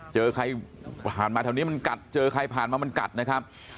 เจอใครผ่านมาแถวนี้มันกัดเจอใครผ่านมามันกัดนะครับ